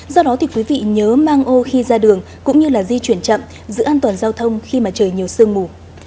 do đó thì quý vị nhớ mang ô khi ra đường cũng như là di chuyển chậm giữ an toàn giao thông khi mà trời nhiều sương mù